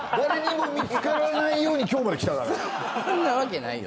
そんなわけないよ。